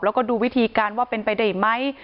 แล้วก็ดูวิธีการว่าเป็นไปได้ไหม